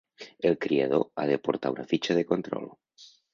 El criador ha de portar una fitxa de control.